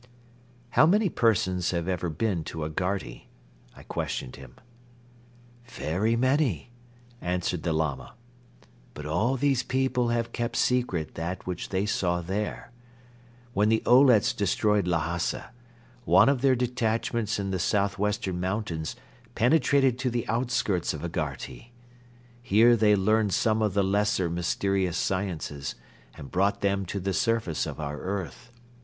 "How many persons have ever been to Agharti?" I questioned him. "Very many," answered the Lama, "but all these people have kept secret that which they saw there. When the Olets destroyed Lhasa, one of their detachments in the southwestern mountains penetrated to the outskirts of Agharti. Here they learned some of the lesser mysterious sciences and brought them to the surface of our earth.